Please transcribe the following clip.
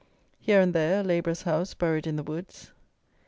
Here and there a labourer's house buried in the woods.